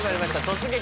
「突撃！